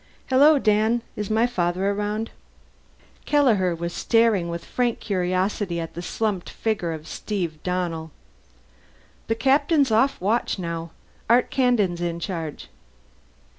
"Hello, Dan. Is my father around?" Kelleher was staring with frank curiosity at the slumped figure of Steve Donnell. "The Captain's off watch now. Art Kandin's in charge."